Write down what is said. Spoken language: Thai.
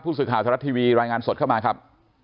ผู้สึกข่าวสรรค์ทรัศน์ทีวีรายงานสดเข้ามาครับ